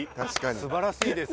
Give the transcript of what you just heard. すばらしいです。